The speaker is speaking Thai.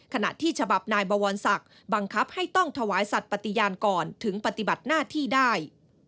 ขณะที่ฉบับนายบวรศักดิ์บังคับให้ต้องถวายสัตว์ปฏิญาณก่อนถึงปฏิบัติหน้าที่ได้